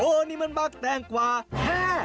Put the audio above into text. โอ้นี่มันบักแต้งกว่าแฮ่